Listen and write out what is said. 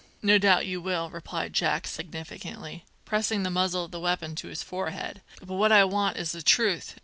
"No doubt you will," replied Jack significantly, pressing the muzzle of the weapon to his forehead; "but what I want is the truth.